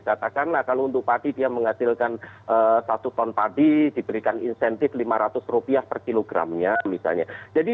katakanlah kalau untuk padi dia menghasilkan satu ton padi diberikan insentif lima ratus rupiah per kilogramnya misalnya